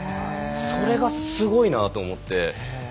それが、すごいなと思って。